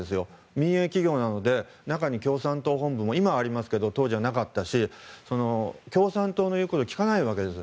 民営企業なので中に共産党本部が今はありますけれど当時はなかったし共産党の言うことを聞かないわけです。